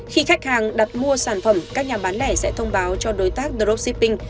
khi khách hàng đặt mua sản phẩm các nhà bán lẻ sẽ thông báo cho đối tác drop shipping